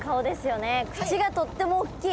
口がとってもおっきい。